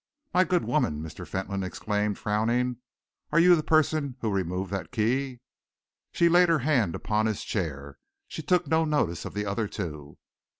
"My good woman," Mr. Fentolin exclaimed, frowning, "are you the person who removed that key?" She laid her hand upon his chair. She took no notice of the other two.